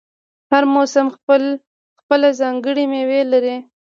هر موسم خپله ځانګړې میوه لري.